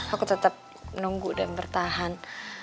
aku tetap nunggu dan bertahan